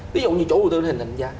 ví dụ như chỗ đầu tư anh tạo ra giá